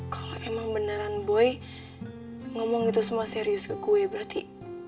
kalau emang beneran boy ngomong itu semua serius ke kue berarti